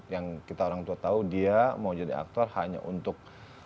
yang kita orang tua tahu dia mau jadi aktor hanya untuk